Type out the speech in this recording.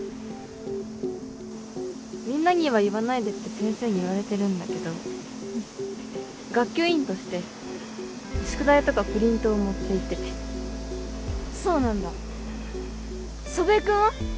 みんなには言わないでって先生に言われてるんだけど学級委員として宿題とかプリントを持って行っててそうなんだ祖父江君は？